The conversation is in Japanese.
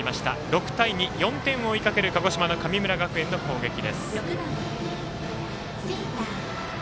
６対２、４点を追いかける鹿児島の神村学園の攻撃です。